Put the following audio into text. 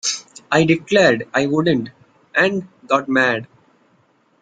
I declared I wouldn't, and got mad.